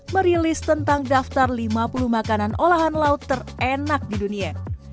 merilis tentang daftar lima puluh makanan olahan laut terenak di dunia